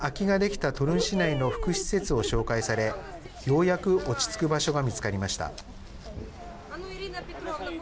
その後、偶然、空きができたトルン市内の福祉施設を紹介されようやく落ち着く場所が見つかりました。